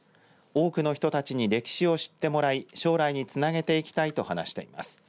多くの人たちに歴史を知ってもらい将来につなげていきたいと話しています。